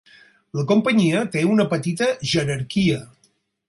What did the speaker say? La companyia té una petita jerarquia.